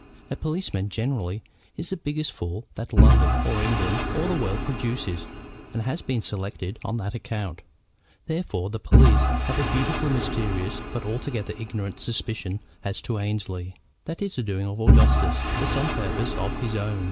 A policeman, generally, is the biggest fool that London, or England, or the world produces, and has been selected on that account. Therefore the police have a beautifully mysterious but altogether ignorant suspicion as to Annesley. That is the doing of Augustus, for some purpose of his own.